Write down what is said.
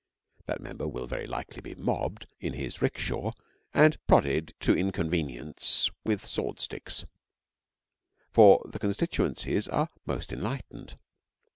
That member will very likely be mobbed in his 'rickshaw and prodded to inconvenience with sword sticks; for the constituencies are most enlightened.